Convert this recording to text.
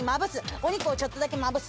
お肉をちょっとだけまぶす。